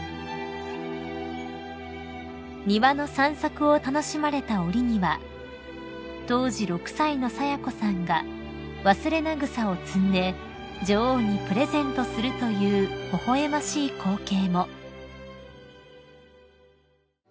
［庭の散策を楽しまれた折には当時６歳の清子さんがワスレナグサを摘んで女王にプレゼントするという微笑ましい光景も］